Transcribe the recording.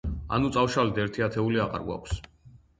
ანუ წავშალეთ ერთი ათეული, აღარ გვაქვს.